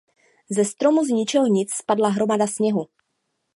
Ze stromu zničeho nic spadla hromada sněhu.